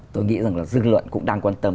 tôi nghĩ rằng là dư luận cũng đang quan tâm